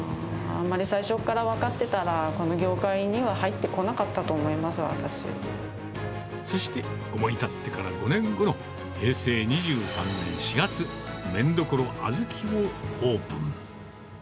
あんまり最初から分かってたら、この業界には入ってこなかったとそして、思い立ってから５年後の平成２３年４月、麺処あずきをオープン。